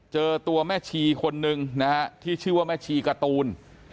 เจอตัวแม่ชีคนนึงนะฮะที่ชื่อว่าแม่ชีการ์ตูน